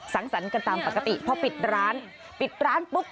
สังสรรค์กันตามปกติพอปิดร้านปิดร้านปุ๊บ